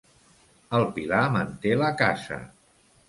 El pilar manté la casa.